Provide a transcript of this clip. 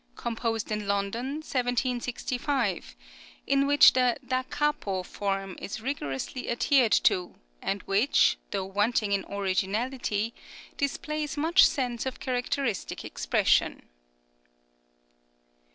composed in London, 1765, in which the Da capo form is rigorously adhered to, and which, though wanting in originality displays much sense of characteristic expression.